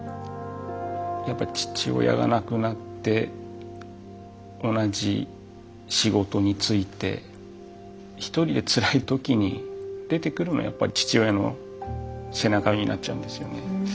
やっぱり父親が亡くなって同じ仕事に就いて一人でつらいときに出てくるのはやっぱり父親の背中になっちゃうんですよね。